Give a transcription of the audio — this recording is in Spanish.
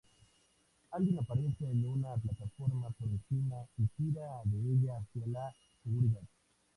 Alguien aparece en una plataforma por encima y tira de ella hacia la seguridad.